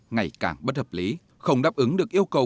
ngày càng bất hợp lý không đáp ứng được yêu cầu